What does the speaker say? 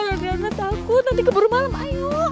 ayolah cari jalan keluar ya tante aku nanti keburu malam ayo